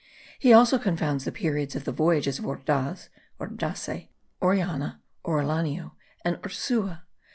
He also confounds the periods of the voyages of Ordaz (Ordace), Orellana (Oreliano), and Ursua.